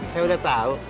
saya udah tau